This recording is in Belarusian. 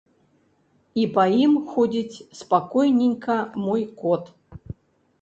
І па ім ходзіць спакойненька мой кот.